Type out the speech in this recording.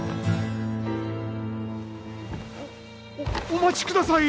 おお待ちください！